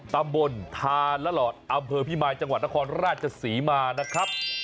ตำบลทาละหลอดอำเภอพิมายจังหวัดนครราชศรีมานะครับ